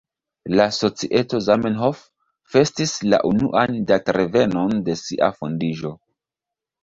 La societo „Zamenhof” festis la unuan datrevenon de sia fondiĝo.